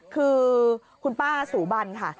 คือคุณป้าสูบันค่ะ